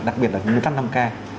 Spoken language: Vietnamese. đặc biệt là cái nguyên tắc năm k